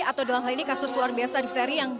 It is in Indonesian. atau dalam hal ini kasus luar biasa difteri yang